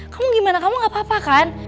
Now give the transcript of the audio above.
kamu gimana kamu gak apa apa kan